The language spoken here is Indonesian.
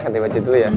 ganti baju dulu ya